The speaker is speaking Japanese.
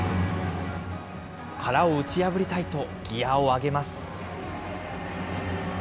殻を打ち破りたいと、ギアを上げます。